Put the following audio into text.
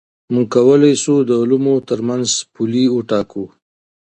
موږ کولای سو د علومو ترمنځ پولي وټاکو.